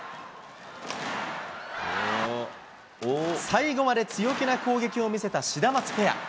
最後まで強気な攻撃を見せたシダマツペア。